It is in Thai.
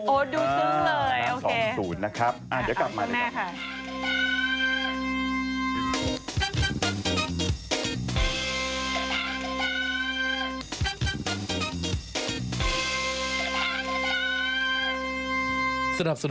โอ๋ดูซุ้มเลยโอเคนะครับอ่ะเดี๋ยวกลับมากันก่อน